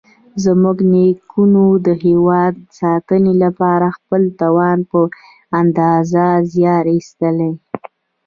زموږ نیکونو د هېواد ساتنې لپاره خپل توان په اندازه زیار ایستلی.